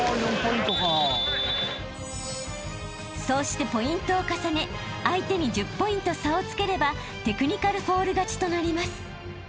［そうしてポイントを重ね相手に１０ポイント差をつければテクニカルフォール勝ちとなります］